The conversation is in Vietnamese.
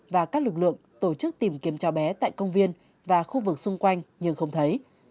và các lực lượng tổ chức tìm kiếm cháu bé tại công viên và khu vực xung quanh nhưng không thấy